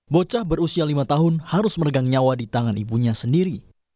bocah berusia lima tahun harus meregang nyawa di tangan ibunya sendiri